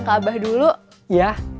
kamu duduk dulu di teras